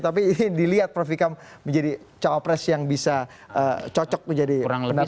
tapi dilihat prof ikam menjadi cowok pres yang bisa cocok menjadi pendafi jemput